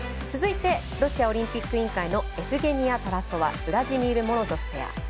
続いてロシアオリンピック委員会のエフゲニア・タラソワウラジーミル・モロゾフペア。